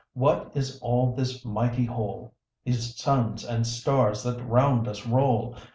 what is all this mighty whole, These suns and stars that round us roll!